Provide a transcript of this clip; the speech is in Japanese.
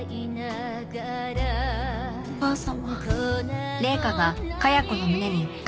おばあ様。